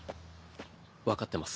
分かってます。